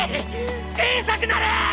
小さくなれ！